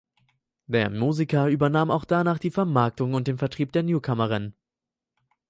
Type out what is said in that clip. Der Musiker übernahm auch danach die Vermarktung und den Vertrieb der Newcomerin.